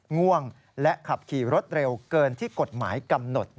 ง่วงและขับขี่รถเร็วเกินที่กฎหมายกำหนด